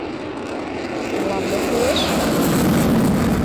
Мылам мо кӱлеш?